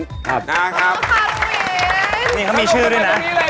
นะครับพบกันไว้เลยดีกว่านะคะคุณสามีค่ะหวิน